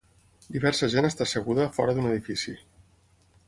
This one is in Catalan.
Diversa gent està asseguda a fora d'un edifici.